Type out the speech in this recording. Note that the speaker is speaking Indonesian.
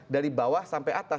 dari bawah sampai atas